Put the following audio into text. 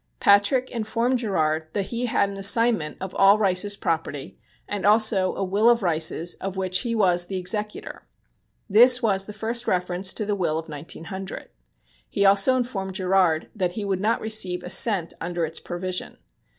Patrick informed Gerard that he had an assignment of all Rice's property and also a will of Rice's of which he was executor. This was the first reference to the will of 1900. He also informed Gerard that he would not receive a cent under its provision.